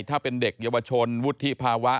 ถ้าเป็นเด็กเยาวชนวุฒิภาวะ